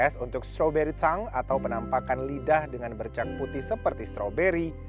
es untuk strawberry tank atau penampakan lidah dengan bercak putih seperti stroberi